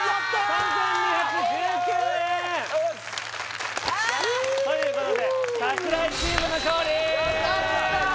３２１９円ということで櫻井チームの勝利やった！